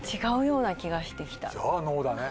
じゃあ「Ｎｏ」だね。